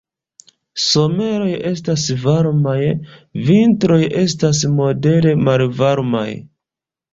Someroj estas varmaj, vintroj estas modere malvarmaj.